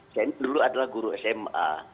saya ini dulu adalah guru sma